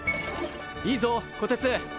いいぞこてつ！